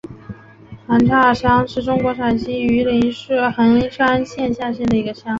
韩岔乡是中国陕西省榆林市横山县下辖的一个乡。